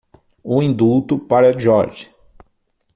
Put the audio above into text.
O indulto para George.